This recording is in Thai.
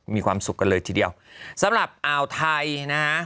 มีความสุขกันเลยทีเดียวสำหรับอ่าวไทยนะฮะ